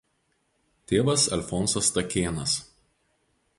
Tėvas Alfonsas Stakėnas.